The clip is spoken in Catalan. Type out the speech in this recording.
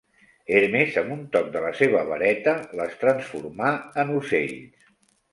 Hermes, amb un toc de la seva vareta, les transformà en ocells.